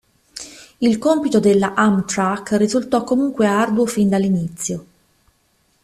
Il compito della Amtrak risultò comunque arduo fin dall'inizio.